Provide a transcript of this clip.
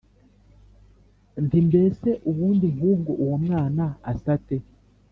nti mbese ubundi nk’ubwo uwo mwana asa ate?